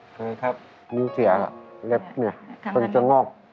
เคยครับนิ้วเสียอะเล็บเนี่ยเพิ่งจะงอก